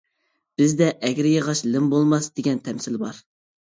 بىزدە «ئەگرى ياغاچ لىم بولماس» دېگەن تەمسىل بار.